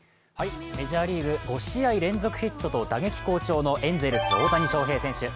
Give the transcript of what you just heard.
メジャーリーグ、５試合連続ヒットと打撃好調のエンゼルス・大谷翔平選手。